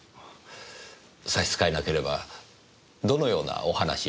差し支えなければどのようなお話を？